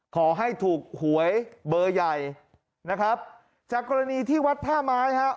ขอให้ถูกหวยเบอร์ใหญ่นะครับจากกรณีที่วัดท่าไม้ฮะ